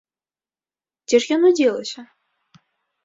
Дзе ж яно дзелася?